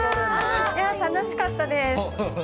いや、楽しかったです。